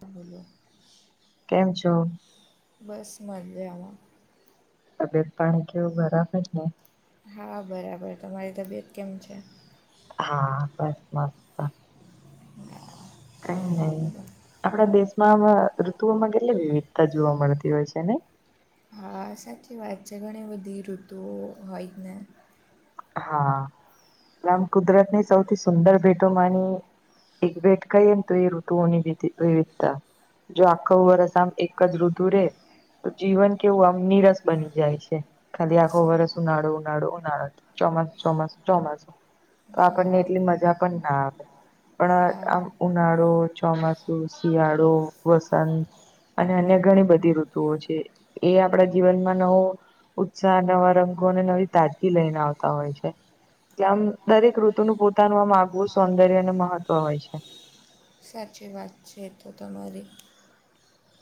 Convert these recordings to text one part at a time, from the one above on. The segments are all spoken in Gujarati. બોલો કેમ છો બસ મજા આવેમાં તબિત પાણી કેવું બરાબ જ ને હા બરાબર તમારી તબિયત કેમ છે હા બસમા [inaudible] કઈ નહી બોલો આપડા દેશમાં આ ઋતુઓમાં કેટલી વિવિધતા જોવા મળતી હોય છે ને આ સાચી વાત છે ઘણી બધી ઋતુઓ હોય જ ને હા આમ કુદરત ની સૌથી સુંદર ભેટો માની એક ભેટ કઈ એમ તો એ ઋતુઓની વિવિધતા જો આખો વર્ષ આમ એક જઋતુ ૂરે તો જીવન કેવું આમ નિરસ બની જાય છે ખાલી આખો વરસ ઉનાડું ઉનાડું ઉનાળું ચોમાસ ચોમાસું ચોમાસું તો આપણને હા એટલી મજા પણ ના આવે પણ હા આમ ઉનાળો ચોમાસું શિયાળો વસંત અને અન્ય ઘણી બધી ઋતુઓ છે એ આપણા જીવનમાં નવો ઉત્સાહ નવા રંગો અને નવી તાજગી લઈને આવ હોય આમ દરેક ઋતુનુંું પોતાનું આમગવું સૌંદર્ય અને મહત્વ હોય છે સાચી વાત છે તો તમારી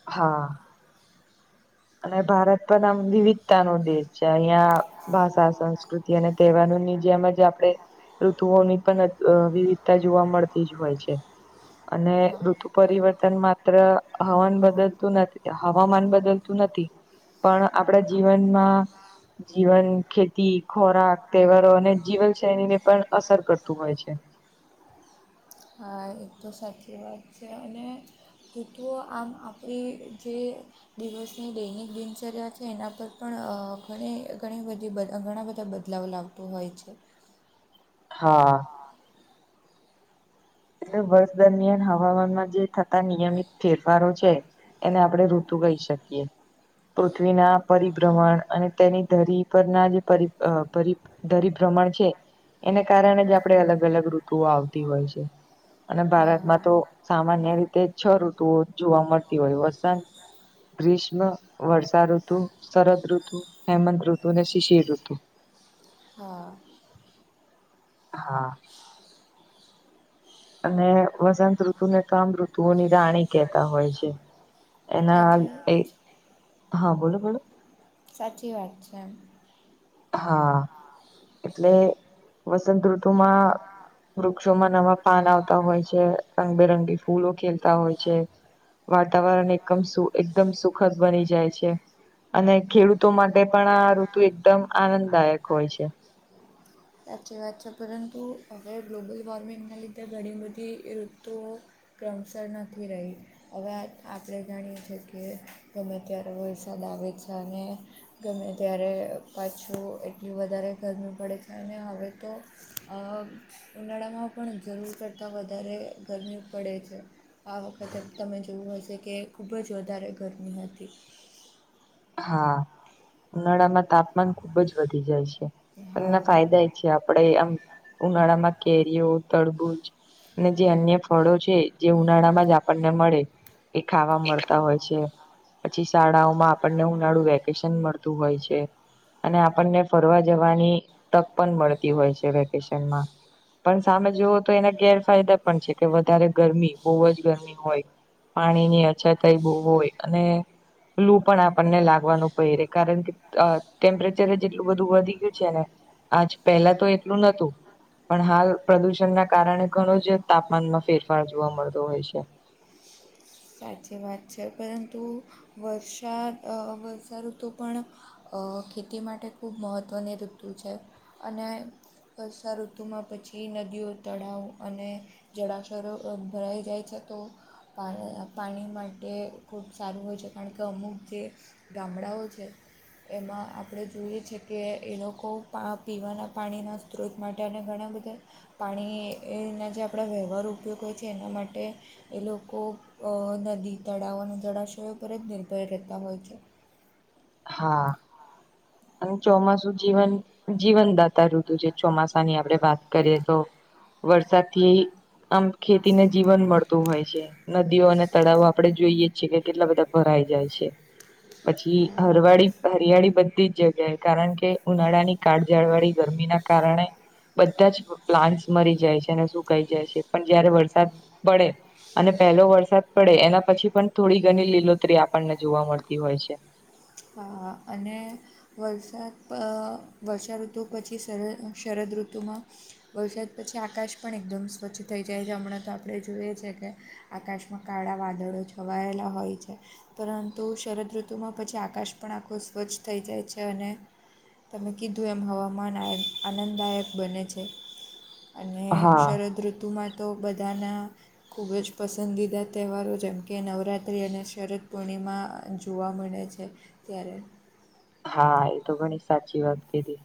હા અને ભારત પણ આમ વિવિધતા નો દેશ છે અહિયાં ભાષા સંસ્કૃતિ અને તહેવારોની જેમ જ આપણે ઋતુઓ ની પણ વિવિધતા જોવા મળતી જ હોય છે અને હા ઋતુ પરિવર્તન માત્ર હવાન બદલતું નથી હવામાન બદલતું નથી પણ આપણા જીવનમાં જીવન ખેતી ખોરાક તહેવારો અને જીવનશૈલી ને પણ અસર કરતું હોય છે એક તો સાચી વાત છે અને કૂટઓ આમ આપણી જે દિવસની દૈનિક દિનચર્યા છે એના પર પણ ઘણી ઘણી બધી ઘણા બધા બધા બદલાવન આવતું હોય છે હા એટલે વર્ષ દરમિયાન હવામાનમાં જે થતા નિયમિત ફેરફારો છે એને આપડણે ઋતુ કહી શકીએ પૃથ્વીના પરિભ્રમણ અને તેની ધરી પરના જે પર દરી ભ્રમણ છે એને કારણે જ આપણેે અલગ અલગ ઋતુઓ આવતી હોય છે અને ભારતમાં હા. તો સામાન્ય રીતે છ ઋતુઓ જોવા મળતી હોય વસંત ગ્રીષ્મ, વર્ષાઋતુ, શરદ ઋતુ, હેમંત ઋતુ અને શિશિર ઋતુ. હા. હા. અને વસંત ઋતુ ને તો આમ ઋતુઓની રાણી કેતા હોય છે. એના સાચી એ હા બોલો બોલો. સાચી વાત છે એમ. હા એટલે વસંતઋતુમાં વૃક્ષોમાં નવા પાન આવતા હોય છે રંગબેરંગી ફૂલો ખેલતા હોય છે. વાતાવરણ એકમ સુ એકદમ સુખદ બની જાય છે. અને ખેડૂતો માટે પણ આ ઋતુ એકદમ આનંદદાયક હોય છે. સાચી વાત છે પરંતુ, હવે ગ્લોબલ વોર્મિંગના લીધે ઘણી બધી એ સ્તુઓ ક્રમશર નથી રહી. હવે આ આપડે જાણીએ છીએ કે ગમે ત્યારે વરસાદ આવે છે અને ગમે ત્યારે પાછું એટલી વધારે ગરમી પડે છે અને હવે તો અ ઉનાળામાં પણ જરૂર કરતાં વધારે ગરમી પડે છે આ વખતે તમે જોયું હશે કે ખૂબ જ વધારે ગરમી હતી. હા ઉનાળામાં તાપમાન ખુબ જ વધી જાય છે. એમના હા ફાયદા એ છે આપડે આમ ઉનાળા માં કેરીઓ, તરબૂજ એ જે અન્ય ફળો છે જે ઉનાળા માં જ આપણને મળે. એ ખાવા મળતા હોય છે પછી શાળાઓમાં પણને ઉનાડું વેકેશન મળતું હોય છે. અને આપણને ફરવા જવાની તક પણ મળતી હોય છે વેકેશનમાં. પણ સામે જોઓ તો એના ગેરફાયદા પણ છે કે વધારે ગરમી બહુ જ ગરમી હોય. પાણી ની અછત તઈ બુ બહુ હોય એક અને લૂપ પણ આપણને લાગવાનું પય રે કારણ કે અ ટેમ્પરેચર જ જેટલું બધું વધી ગયું છે ને. આજ પેલા તો એટલું નતું. પણ હાલ પ્રદુષણ ના કારણે ઘણો જ તાપમાનમાં ફેરફાર જોવા મળતો હોય છે. સાચી વાત છે પરંતુ વર્ષાદ અ વર્ષાઋતુ પણ અ ખેતી માટે ખૂબ મહત્ત્વની ઋતુ છે અને વર્ષાઋતુમાં પછી નદીઓ તળાવો અને જળાશરો એમ ભરાઈ જાય છે તો પાણી પાણી માટે ખૂબ સારું હોય છે કારણ કે અમુક જે ગામડાઓ છે એમાં આપડે જોઈએ છે કે એ લોકો પા પીવાના પાણીના સ્ત્રોત માટે અને ઘણા બધા પાણી એના જે આપડા વ્યવહારૂ ઉપયોગો છે એના માટે એ લોકો અ નદી, તળાવો અને જળાશયો પર જ નિર્ભર રહેતા હોય છે. હા. અને ચોમાસું જીવન જીવનદાતા ઋતુ છે ચોમાસાની આપડે વાત કરીએ તો. વરસાદ થી આમ ખેતી ને જીવન મળતું હોય છે. નદીઓ અને તળાવો આપડે જોઈએ છીએ કે કેટલા બધા ભરાઈ જાય છે પછી પળી હરિયાળી બધી જ જગ્યાએ કારણ કે ઉનાળાની કાળઝાળ વાળી ગરમી ના કારણે બધા જ પ્લાન્ટસ મરી જાય છે અને સુુંકાાઈ જાય છે પણ જયારે વરસાદ પડે અને પહેલો વરસાદ પડે એના પછી પન થોડી ઘની લીલોતરી આપણને જોવા મળતી હોય છે. હા હા અને વરસાત વર્ષાઋતુ પછી શરદ ઉહ શરદ ઋતુમાં વરસાદ પછી આકાશ પણ એકદમ સ્વચ્છ થઈ જાય છે હમણાં તો આપડે જોઈએ છે કે આકાશમાં કાળા વાદળો છવાયેલા હોય છે પરંતુ શરદઋતુમાં પછી આ કાશ પણ આખું સ્વચ્છ થઈ જાય છે અને તમે કીધું એમ હવામાન આય આનંદદાયક બને છે. અને હા શરદ ઋતુમાં તો બધાના. ખૂબ જ પસંદીદા તહેવારો જેમ કે નવરાત્રી અને શરદ પૂર્ણિમા જોવા મળે છે ત્યારે. હા એ તો ઘણી સાચી વાત કીદી.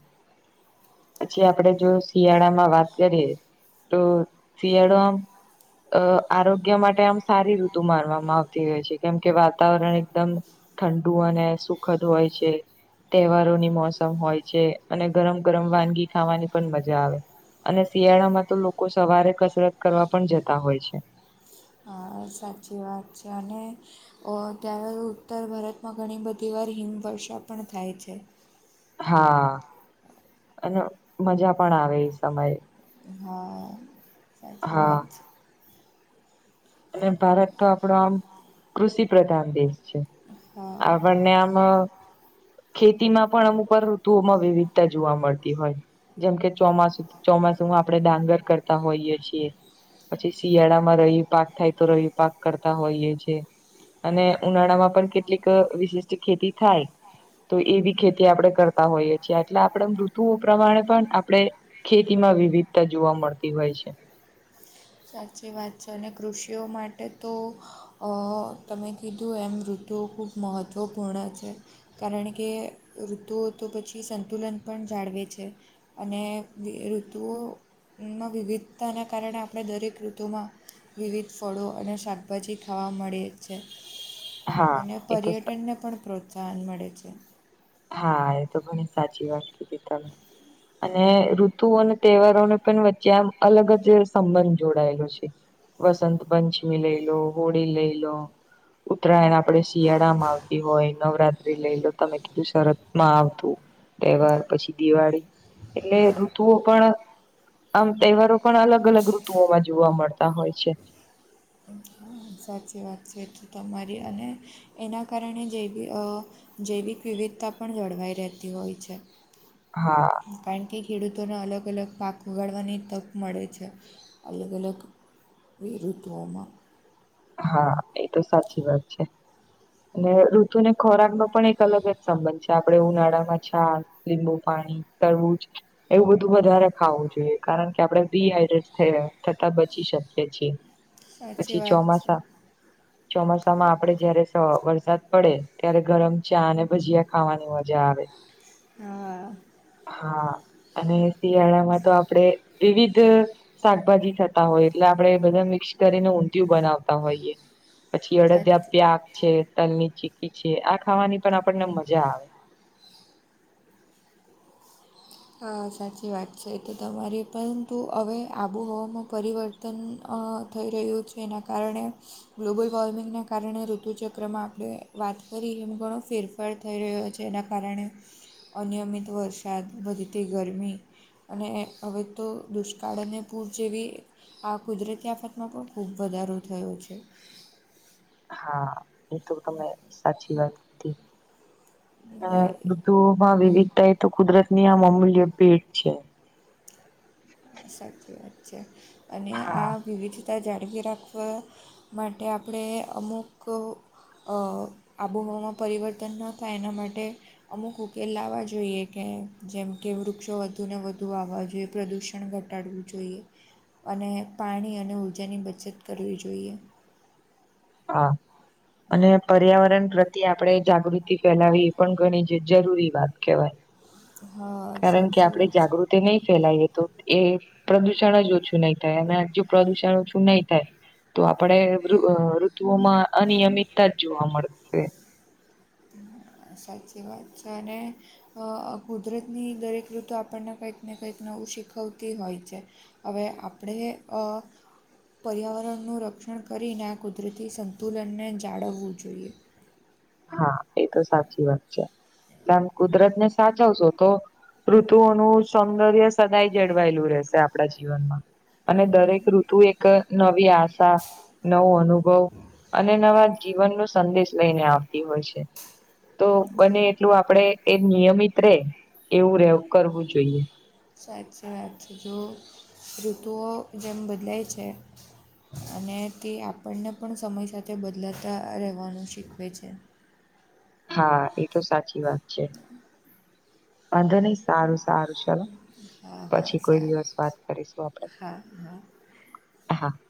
પછી આપડે જો શિયાળામાં વાત કરીએ. તો શિયાળો આમ અ આરોગ્ય માટે આમ સારી ઋતુ મારવામાં. તી હોય છે કેમ કે વાતાવરણ એકદમ ઠંડુ અને સુખદ હોય છે તહેવારોની મોસમ હોય છે અને ગરમ ગરમ વાનગી ખાવાની પણ મજા આવે. અને શિયાળા માં તો લોકો સવારે કસરત કરવા પણ જતા હોય છે. હા સાચી વાત છે અને. ત્યારે ઉત્તર ભારતમાં ઘણી બધી વાર હિમવર્ષા પણ થાય છે. હા અને મજા પણ આવે એ સમયે. હા સાચી હા વાત છે. અને ભારત તો આપડો કૃષિ પ્રધાન દેશ છે. હા આગળ ને આમાં. ખેતી માં પણ અમુક વાર ઋતુઓમાં વિવિધતા જોવા મળતી હોય. જેમકે ચોમાસું ચોમાસુમાં આપણે ડાંગર કરતા હોઈય છીએ. પછી શિયાળા માં રવિ પાક થાય તો રવિ પાક કરતા હોઈએ છે. અને ઉનાળા માં પણ કેટલીક વિશિષ્ટ ખેતી થાય. તો એવી ખેતી આપણે કરતા હોઈએ છીએ એટલે આપણે ઋતુ ઓ પ્રમાણે પણ આપણે ખેતીમાં વિવિધતા જોવા મળતી હોય છે. સાચી વાત છે અને કૃષિઓ માટે તો. અ તમે કીધું એમ ઋતુ ખૂબ મહત્ત્વપૂર્ણ છે. કારણ કે ઋતુ તો પછી સંતુલન પણ જાળવે છે. અને ઋતુઓના વિવિધતાને કારણે આ આપણે દરેક ઋતુમાં વિવિધ ફળો અને શાકભાજી ખાવા મળે છે હા અને એ તો પર્યટનને પણ પ્રોત્સાહન મળે છે. હા એ તો ઘણી સાચી વાત કીધી તમે અને ઋતુ અને તહેવારોને પણ વચ્ચે આમ અલગ જ સંબંધ જોડાયેલો છે. વસંત પંચમી લઈ લો હોળી લઈ લો ઉત્તરાયણ આપડે શિયાળા માં આવતી હોય નવરાત્રી લઈ લો તમે કીધું શરતમાં આવતું તહેવાર પછી દિવાળી એટલે ઋતુઓ પણ આમ તહેવારો પણ અલગ અલગ ઋતુઓમાં જોવા મળતા હોય છે. સાચી વાત છે તો એટલે તમારી અને એના કારણે જે બી અ જૈવિક વિવિધતા પણ જળવાઈ રહેતી હોય છે. હા કારણ કે ખેડૂતોને અલગ અલગ પાક ઉગાડવાની તક મળે છે અલગ અલગ એરુ ધમાં હા એ તો સાચી વાત છે. અને ઋતુને ખોરાકનો પણ એક અલગ જ સંબંધ છે આપણેે ઉનાળામાં છાસ લીંબુ પાણી તરબુજ એવું બધું વધારે ખાવું જોઈએ કારણ કે આપડણે ડીહાઈડ્રેટ થયા થતા બચી શકીએ છીએ. સાચી પછી વાત છે ચોમાસા ચોમાસામાં આપડે જયારે સ વરસાદ પડે ત્યારે ગરમ ચા અને ભજીયા ખાવાની મજા આવે હા હા અને શિયાળામાં તો આપડે વિવિધ શાકભાજી થતા હોય એટલે આપડે એ બધા મિક્સ કરીને ઊંધયું બનાવ હોઈએ પછી અડદ્યા સાચી પ્યાગ છે તલ ની ચીકી છે આ ખાવાની પણ આપને મજા આવે સાચી વાત છે તો તમારે પરંતુ હવે આબોહવામાં પરિવર્તન વતન થઈ રહ્યું છે એના કારણે ગ્લોબલ વોર્મિંગના કારણે ઋતુચક્રમાં આપણે વાત કરી એમ ઘણો ફેરફાર થઈ રહ્યો છે એના કારણે અનિયમિત વરસાદ વધીતી ગરમી અને હવે તો દુષ્કાળ અને પૂર જેવી આ કુદરતી આફતમાં પણ ખૂબ વધારો થયો છે. હા એ તો તમે સાચી વાત હતી. હવે માં વિવિધતા એ તો કુદરત ની આ અમૂલ્ય ભેટ છે. સાચી વાત છે અને હા આ વિવિધતા જાળવી રાખવા માટે આપણે અમુક આબોહવામાં પરિવર્તન ન થાય એના માટે અમુક ઉકેલ લાવવા જોઈએ કે જેમ કે વૃક્ષો વધુ ને વધુ આવવા જોઈએ પ્રદુષણ શ ઘટાડવું જોઈએ અને પાણી અને ઉર્જાની બચત કરવી જોઈએ. હા અને પર્યાવરણ પ્રત્યે આપણે જાગૃતિ ફેલાવી એ પણ ઘણી જ જરૂરી વાત કહેવાય. હા કારણ કે સાચી આપડે વાત છે જાગૃત તે નહી ફેલાય તો એ પ્રદુષણ જ ઓછું નહી થાય અને પ્રદુષણ ઓ શું નહી થાય તો આપડે ઋતુઓમાં અનિયમિતતા જ જોવા મળે છે. સાચી વાત છે અને અ કુદરતની દરેક ઋતુ આપણને કંઈક ને કંઈક નવું શીખવતી હોય છે. હવે આપણે પર્યાવરણનું રક્ષણ કરીને કુદરતી સંતુલનને જાળવવું જોઈએ. હા એ તો સાચી વાત છે એટલે આમ કુદરત ને સાચવશો તો ઋતુઓનું સૌંદર્ય સદાય જળવાયેલું રહેશે આપડા જીવનમાંય અને દરેક ઋતુ એક નવી આશા નવો અનુભવ અને નવા જીવનનોો સંદેશ લઈને આવતી હોય છે. તો બને એટલું આપડે એ નિયમિત રે એવું કરવું જોઈએ. સાથથ જો ઋતુઓ જેમ બદલાય છે. અને તે આપણને પણ સમય સાથે બદલાતા રહેવાનું શીખવે છે. હા એ તો સાચી વાત છે વાંધો નહી સારું સારું ચલો હા હા પછી કોઈ સારું દિવસ વાત કરીશું આપડે હા હા. [inaudible]